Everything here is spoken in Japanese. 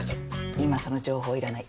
今その情報いらない。